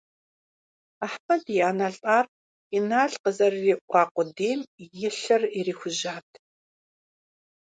Ахьмэд и анэ лӀар Инал къызэрыриӀуа къудейм и лъыр ирихужьат.